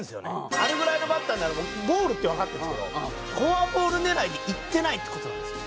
あれぐらいのバッターになるとボールってわかってるんですけどフォアボール狙いにいってないって事なんですよ。